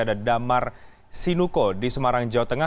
ada damar sinuko di semarang jawa tengah